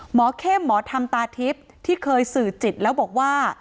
หมอเข้มหมอทำตาทิศที่เคยสื่อจิตแล้วบอกว่า